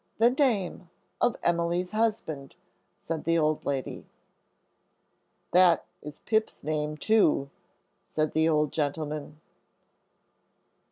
"The name of Emily's husband," said the old lady. "That is Pip's name, too," said the old gentleman.